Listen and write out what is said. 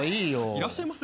いらっしゃいませ。